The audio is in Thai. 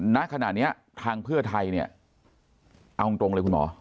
ณขณะนี้ทางเพื่อไทยเนี่ยเอาตรงเลยคุณหมอ